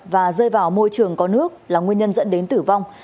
và rơi vào môi trường có nước là nguyên nhân dẫn đến tử vong